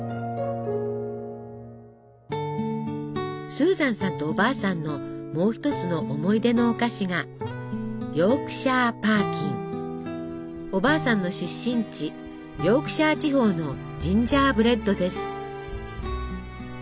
スーザンさんとおばあさんのもう一つの思い出のお菓子がおばあさんの出身地ヨークシャー地方のジンジャーブレッドです。